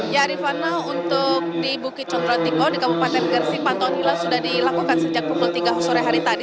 ya rifana untuk di bukit condro tiko di kabupaten gersik pantauan hilal sudah dilakukan sejak pukul tiga sore hari tadi